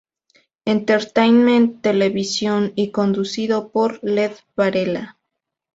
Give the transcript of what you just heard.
Entertainment Television y conducido por Led Varela.